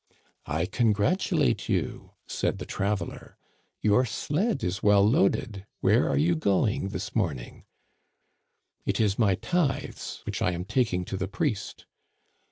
I congratulate you,* said the traveler. * Your sled is well loaded ; where are you going this morning 1 '"* It is my tithes which I am taking to the priest.'